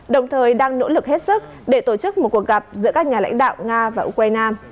đồng thời đang nỗ lực hết sức để tổ chức một cuộc gặp giữa các nhà lãnh đạo nga và ukraine